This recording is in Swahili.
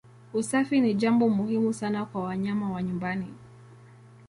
Usafi ni jambo muhimu sana kwa wanyama wa nyumbani.